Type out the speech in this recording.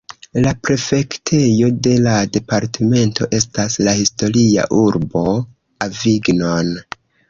La prefektejo de la departemento estas la historia urbo Avignon.